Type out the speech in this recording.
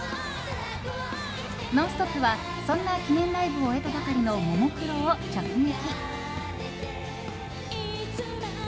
「ノンストップ！」はそんな記念ライブを終えたばかりの、ももクロを直撃。